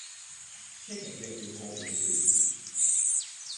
車程約要個半小時